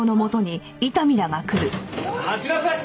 待ちなさい！